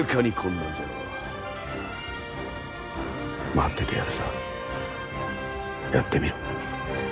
待っててやるさやってみろ。